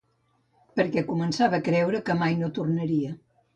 Perquè començava a creure que mai no tornaria.